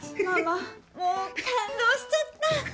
ママもう感動しちゃった！